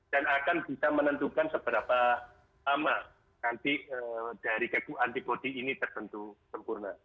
dan akan bisa menentukan seberapa lama nanti dari keku antibody ini tertentu sempurna